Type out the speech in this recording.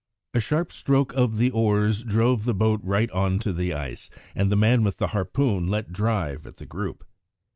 A sharp stroke of the oars drove the boat right on to the ice, and the man with the harpoon let drive at the group.